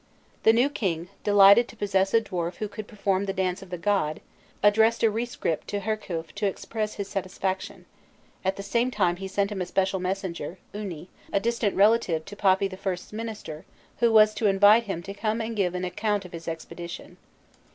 The new king, delighted to possess a dwarf who could perform "the dance of the god," addressed a rescript to Hirkhuf to express his satisfaction; at the same time he sent him a special messenger, Uni, a distant relative to Papi I.'s minister, who was to invite him to come and give an account of his expedition.